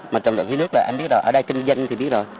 mà trầm trọng thiếu nước là anh biết rồi ở đây kinh doanh thì biết rồi